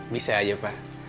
bisa aja pak